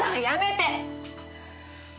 やめて。